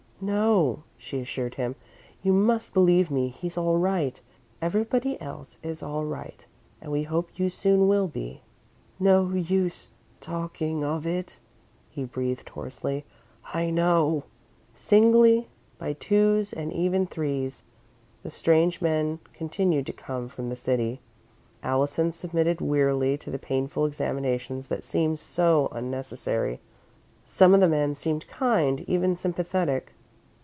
"No," she assured him, "you must believe me. He's all right. Everybody else is all right and we hope you soon will be." "No use talking of it," he breathed, hoarsely. "I know." Singly, by twos and even threes, the strange men continued to come from the City. Allison submitted wearily to the painful examinations that seemed so unnecessary. Some of the men seemed kind, even sympathetic.